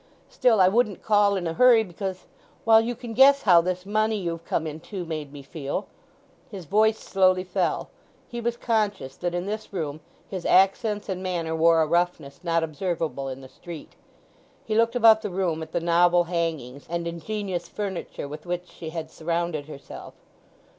Still, I wouldn't call in a hurry, because—well, you can guess how this money you've come into made me feel." His voice slowly fell; he was conscious that in this room his accents and manner wore a roughness not observable in the street. He looked about the room at the novel hangings and ingenious furniture with which she had surrounded herself.